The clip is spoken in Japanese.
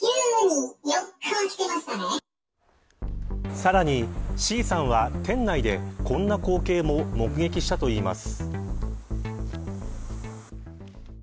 さらにＣさんは店内でこんな光景も目撃したといいます。